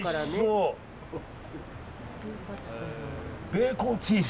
ベーコンチーズ。